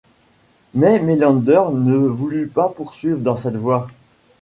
Mais Melander ne voulut pas poursuivre dans cette voie.